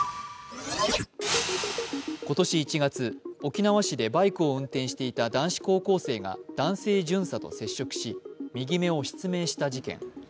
今年１月、沖縄市でバイクを運転していた男子高校生が男性巡査と接触し右目を失明した事件。